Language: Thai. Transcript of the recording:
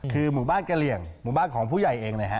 คือหมู่บ้านกะเหลี่ยงหมู่บ้านของผู้ใหญ่เองนะฮะ